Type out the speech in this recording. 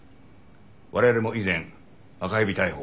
我々も以前赤蛇逮捕